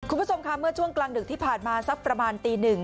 คุณผู้ชมค่ะเมื่อช่วงกลางดึกที่ผ่านมาสักประมาณตีหนึ่ง